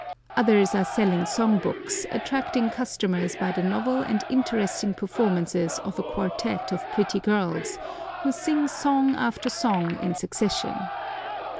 Others are selling song books, attracting customers by the novel and interesting performances of a quartette of pretty girls, who sing song after song in succession.